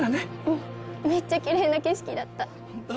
うんめっちゃきれいな景色だったほんと？